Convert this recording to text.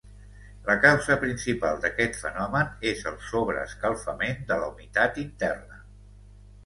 La causa principal d'aquest fenomen és el sobreescalfament de la humitat interna.